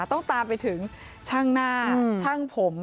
ต้องตามไปถึงช่างหน้าช่างผม